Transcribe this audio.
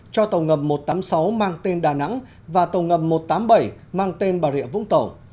cho tàu ngầm một trăm tám mươi sáu mang tên đà nẵng và tàu ngầm một trăm tám mươi bảy mang tên bà rịa vũng tàu